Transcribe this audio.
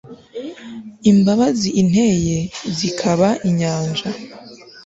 Imbabazi inteye zikaba inyanja